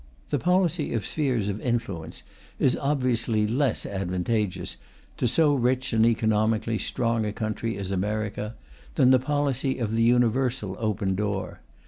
The policy of spheres of influence is obviously less advantageous, to so rich and economically strong a country as America, than the policy of the universal Open Door.